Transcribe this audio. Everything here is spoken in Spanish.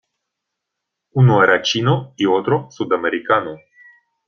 uno era chino y otro sudamericano.